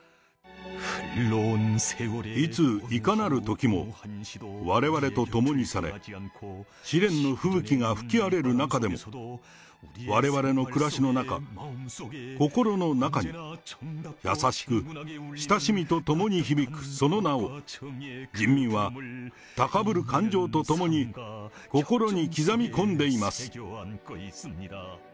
いつ、いかなるときも、われわれと共にされ、試練の吹雪が吹き荒れる中でも、われわれの暮らしの中、心の中に、優しく親しみと共に響くその名を、人民は高ぶる感情と共に心に刻み込んでいます。